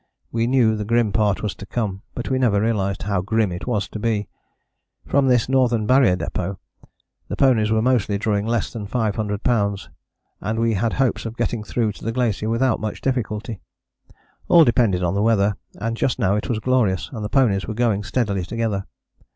We knew the grim part was to come, but we never realized how grim it was to be. From this Northern Barrier Depôt the ponies were mostly drawing less than 500 lbs. and we had hopes of getting through to the glacier without much difficulty. All depended on the weather, and just now it was glorious, and the ponies were going steadily together.